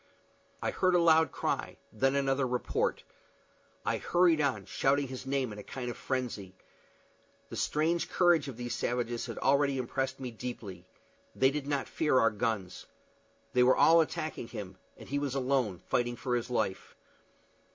I heard a loud cry; then another report. I hurried on, shouting his name in a kind of frenzy. The strange courage of these savages had already impressed me deeply. They did not fear our guns. They were all attacking him, and he was alone, fighting for his life.